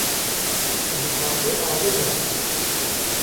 Ji tasê avê vexwe